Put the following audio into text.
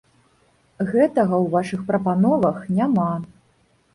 Гэтага ў вашых прапановах няма.